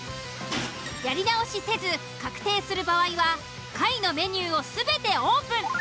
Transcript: やり直しせず確定する場合は下位のメニューを全てオープン。